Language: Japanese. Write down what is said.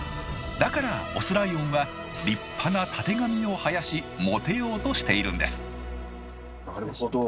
だからオスライオンは立派なたてがみを生やしモテようとしているんですなるほど。